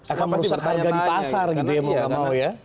akan merusak harga di pasar gitu ya mau gak mau ya